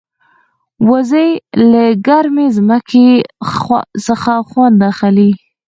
وزې له ګرمې ځمکې څخه خوند اخلي